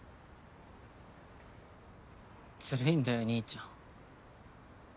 ずるいんだよ兄ちゃん。